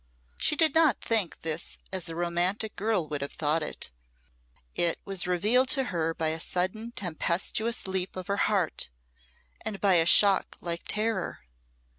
She did not think this as a romantic girl would have thought it; it was revealed to her by a sudden tempestuous leap of her heart, and by a shock like terror.